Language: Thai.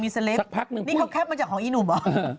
นี่เขาแค็ปมาจากของำอินุหมะ